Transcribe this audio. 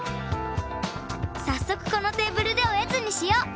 さっそくこのテーブルでおやつにしよ！